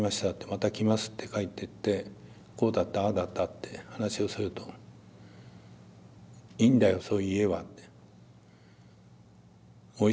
「また来ます」って帰ってってこうだったああだったって話をすると「いいんだよそういう家は」って。